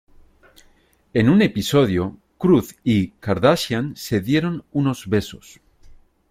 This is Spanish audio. En un episodio, Cruz y Kardashian se dieron unos besos.